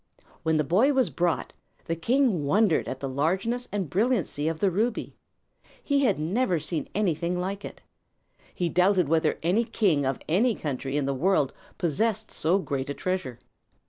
When the boy was brought, the king wondered at the largeness and brilliancy of the ruby. He had never seen anything like it. He doubted whether any king of any country in the world possessed so great a treasure.